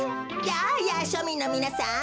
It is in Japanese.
やあやあしょみんのみなさん。